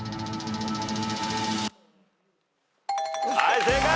はい正解。